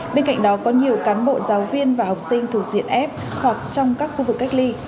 bên cạnh đó có nhiều cán bộ giáo viên và học sinh thuộc diện f hoặc trong các khu vực cách ly